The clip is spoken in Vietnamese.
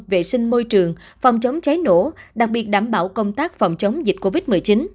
vệ sinh môi trường phòng chống cháy nổ đặc biệt đảm bảo công tác phòng chống dịch covid một mươi chín